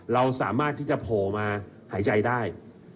เราสามารถที่จะโผล่มาหายใจได้